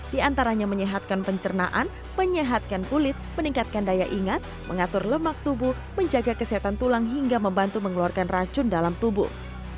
di antaranya menyehatkan pencernaan menyehatkan kulit meningkatkan daya ingat mengatur lemak tubuh menjaga kesehatan tulang hingga membantu mengeluarkan racun dalam tubuh